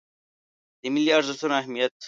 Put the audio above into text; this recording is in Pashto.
د ملي ارزښتونو اهمیت